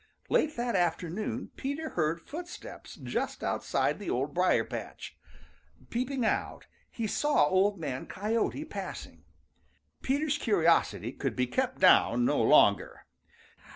Late that afternoon Peter beard footsteps just outside the Old Briar patch. Peeping out, he saw Old Man Coyote passing. Peter's curiosity could be kept down no longer.